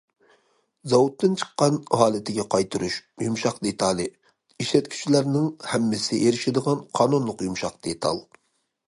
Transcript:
زاۋۇتتىن چىققان ھالىتىگە قايتۇرۇش يۇمشاق دېتالى ئىشلەتكۈچىلەرنىڭ ھەممىسى ئېرىشىدىغان قانۇنلۇق يۇمشاق دېتال.